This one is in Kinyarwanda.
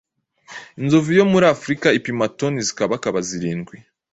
Inzovu yo muri Afurika ipima toni zikabakaba zirindwi